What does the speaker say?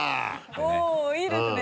おぉいいですね